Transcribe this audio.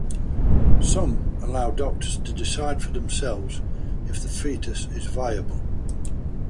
Some allow doctors to decide for themselves if the fetus is viable.